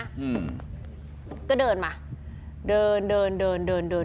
อืมก็เดินมาเดินเดินเดินเดินเดิน